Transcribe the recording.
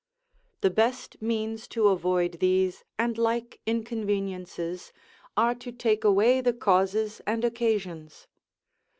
The best means to avoid these and like inconveniences are, to take away the causes and occasions.